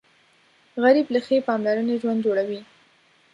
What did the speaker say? غریب له ښې پاملرنې ژوند جوړوي